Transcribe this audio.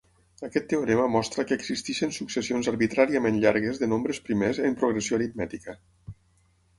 Aquest teorema mostra que existeixen successions arbitràriament llargues de nombres primers en progressió aritmètica.